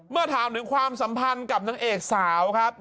เมื่อถามถึงความสัมพันธ์กับนางเอกสาวครับ